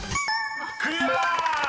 ［クリア！］